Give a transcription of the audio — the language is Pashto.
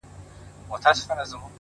د بشريت له روحه وباسه ته”